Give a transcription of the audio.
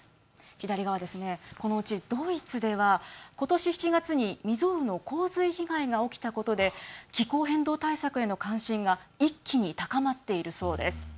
左側、このうちドイツではことし７月に未曽有の洪水被害が起きたことで気候変動対策への関心が一気に高まっているそうです。